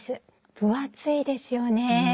分厚いですよね。